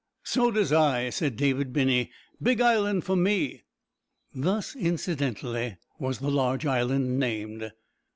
"So does I," said David Binney. "Big Island for me." Thus, incidentally, was the large island named.